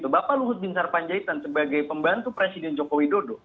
bapak luhut bin sarpanjaitan sebagai pembantu presiden jokowi dodo